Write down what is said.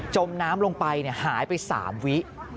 มน้ำลงไปหายไป๓วิ